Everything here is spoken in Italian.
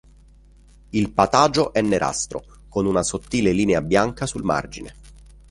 Il patagio è nerastro, con una sottile linea bianca sul margine.